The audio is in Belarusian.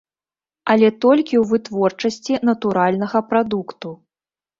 Але толькі ў вытворчасці натуральнага прадукту.